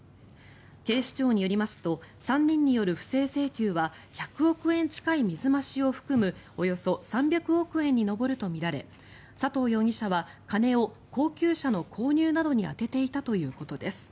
警視庁によりますと３人による不正請求は１００億円近い水増しを含むおよそ３００億円に上るとみられ佐藤容疑者は金を高級車の購入などに充てていたということです。